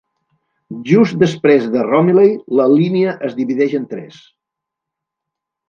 Just després de Romiley, la línia es divideix en tres.